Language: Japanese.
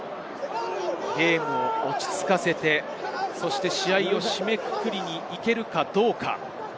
ゲームを落ち着かせて、試合を締めくくるに行けるかどうか。